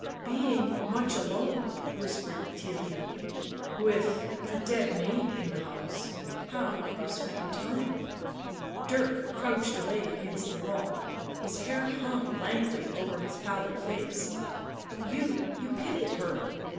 " Being much alone," whispered Theirry, 11 with — a dead maid in the house — how have you spent your time ?" Dirk crouched away against the wall ; his hair hung lankly over his pallid face. " You — you — pitied her